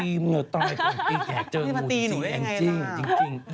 ตีเมืองต้องให้ตีแขกเจองูจริง